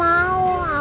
aku enggak mau